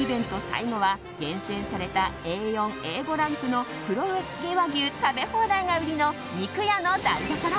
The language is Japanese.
最後は厳選されたＡ４・Ａ５ランクの黒毛和牛食べ放題が売りの肉屋の台所。